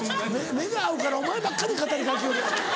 目が合うからお前にばっかり語りかけよる。